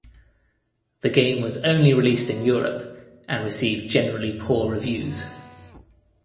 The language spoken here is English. The game was only released in Europe and received generally poor reviews.